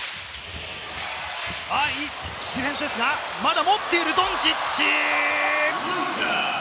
ディフェンスですが、まだ持っているドンチッチ。